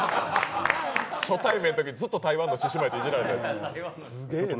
初対面のときずっと台湾の獅子舞いじられる。